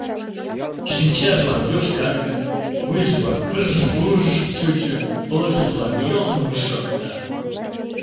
Шинчажлан йошкаргын, вуйжылан выж-вуж-ж чучо, пылышыжлан йоҥ-ҥ шокта.